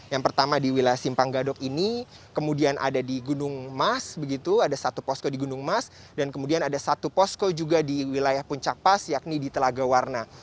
yang pertama di wilayah simpang gadok ini kemudian ada di gunung mas begitu ada satu posko di gunung mas dan kemudian ada satu posko juga di wilayah puncak pas yakni di telaga warna